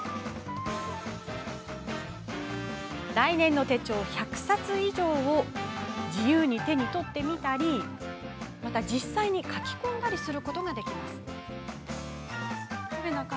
来年の手帳１００冊以上を自由に手に取って見たり実際に書き込んだりすることができます。